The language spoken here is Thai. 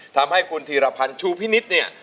ทำให้คุณธีรพันธ์ชูพินิษฐ์เนี่ย